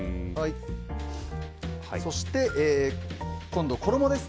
そして今度は衣です。